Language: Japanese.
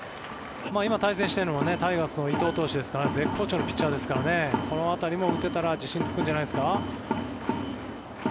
今、対戦しているのはタイガースの伊藤投手ですから絶好調のピッチャーですからこの辺りも、打てたら自信がつくんじゃないですか。